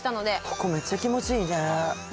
ここめっちゃ気持ちいいね。